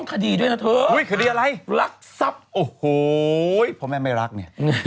อ้าวเพราะแม่ไม่รักเนี่ย